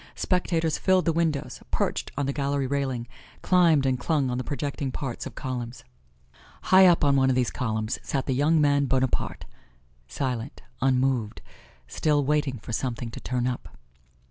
Spectators filled the windows, perched on the gallery railing, climbed and clung on the projecting parts of columns. High up on one of these columns sat the young man Bonaparte, silent, unmoved, still waiting for something to turn up.